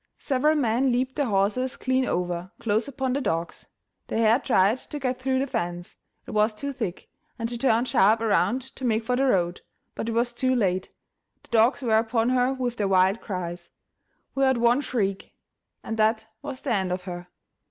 Several men leaped their horses clean over, close upon the dogs. The hare tried to get through the fence; it was too thick, and she turned sharp around to make for the road, but it was too late; the dogs were upon her with their wild cries; we heard one shriek, and that was the end of her.